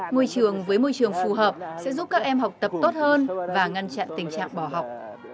ngôi trường với môi trường phù hợp sẽ giúp các em học tập tốt hơn và ngăn chặn tình trạng bỏ học